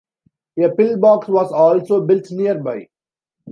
A pillbox was also built nearby.